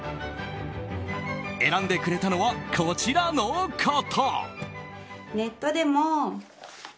選んでくれたのはこちらの方。